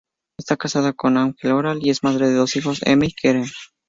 Está casada con Ahmet Oral, y es madre de dos hijos: Emre y Kerem.